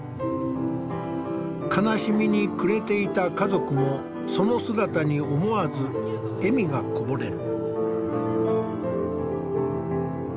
悲しみに暮れていた家族もその姿に思わず笑みがこぼれる。